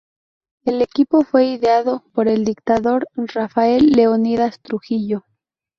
El equipo fue ideado por el dictador Rafael Leónidas Trujillo.